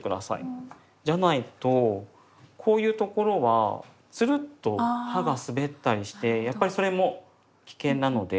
じゃないとこういうところはツルッと刃が滑ったりしてやっぱりそれも危険なので。